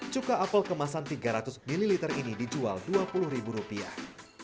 cuka apel kemasan tiga ratus ml ini dijual dua puluh ribu rupiah